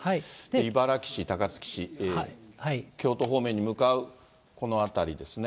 茨木市、高槻市、京都方面に向かうこの辺りですね。